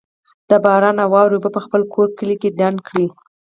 د باران او واورې اوبه په خپل کور، کلي کي ډنډ کړئ